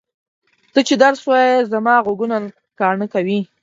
ته چې درس وایې زما غوږونه کاڼه کوې!